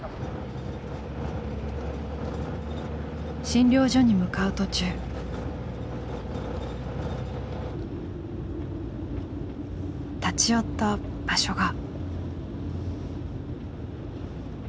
診療所に向かう途中立ち寄った場所が。